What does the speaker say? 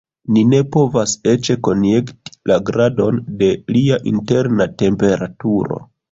Ni ne povas eĉ konjekti la gradon de lia interna temperaturo.